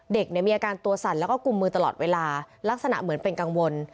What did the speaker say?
เด็กเนี่ยมีอาการตัวสั่นแล้วก็กุมมือตลอดเวลาลักษณะเหมือนเป็นกังวล